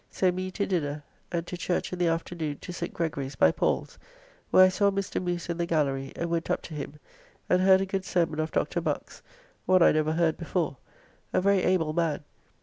So me to dinner, and to church in the afternoon to St. Gregory's, by Paul's, where I saw Mr. Moose in the gallery and went up to him and heard a good sermon of Dr. Buck's, one I never heard before, a very able man.